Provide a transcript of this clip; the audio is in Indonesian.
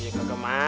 saya juga kagak mau